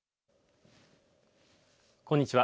こんにちは。